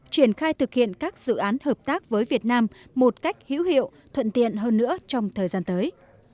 triển khai thực hiện các dự án hợp tác với việt nam một cách hữu hiệu thuận tiện hơn nữa trong thời gian tới